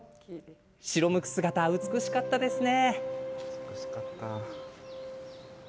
白むく姿、美しかったですよね。